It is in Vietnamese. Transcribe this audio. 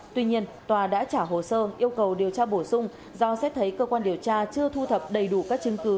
tuy nhiên tòa đã trả hồ sơ yêu cầu điều tra bổ sung do xét thấy cơ quan điều tra chưa thu thập đầy đủ các chứng cứ